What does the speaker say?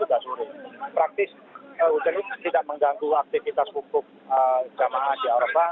jadi hujan itu tidak mengganggu aktivitas hukum jamaah di aropah